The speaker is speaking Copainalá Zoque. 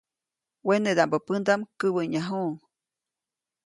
Wenedaʼmbä pändaʼm käwäʼnyajuʼuŋ.